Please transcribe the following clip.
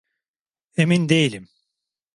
Emin değilim.